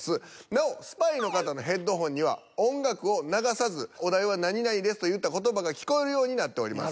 なおスパイの方のヘッドホンには音楽を流さず「お題は何々です」と言った言葉が聞こえるようになっております。